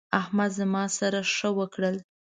احمد زما سره ښه وکړل.